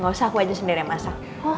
gak usah aku aja sendiri yang masak